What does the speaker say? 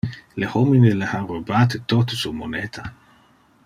Le homine le ha robate tote su moneta.